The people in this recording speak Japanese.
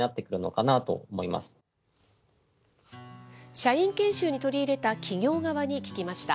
社員研修に取り入れた企業側に聞きました。